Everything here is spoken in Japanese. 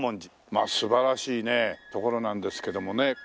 まあ素晴らしい所なんですけどもね。